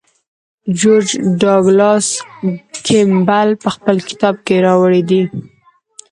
جورج ډاګلاس کیمبل په خپل کتاب کې راوړی دی.